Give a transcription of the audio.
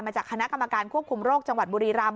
จากคณะกรรมการควบคุมโรคจังหวัดบุรีรำ